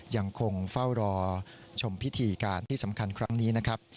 ยังคงเฝ้ารอชมพิธีการที่สำคัญครั้งนี้นะครับ